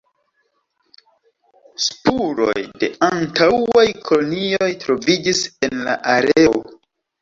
Spuroj de antaŭaj kolonioj troviĝis en la areo.